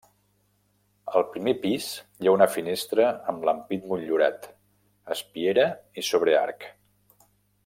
Al primer pis hi ha una finestra amb l'ampit motllurat, espiera i sobrearc.